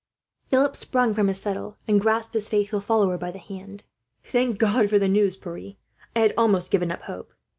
Philip sprung from his settle, and grasped his faithful follower by the hand. "Thank God for the news, Pierre. I had almost given up hope.